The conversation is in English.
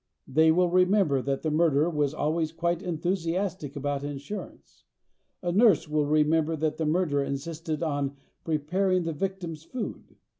They will remember that the murderer was always quite enthusiastic about insurance. A nurse will remember that the murderer insisted on preparing the victim's food.